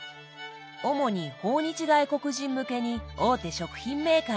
主に訪日外国人向けに大手食品メーカーが作ったお店です。